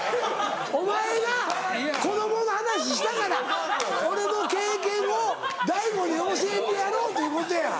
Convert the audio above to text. お前が子供の話したから俺の経験をＤＡＩＧＯに教えてやろうということや。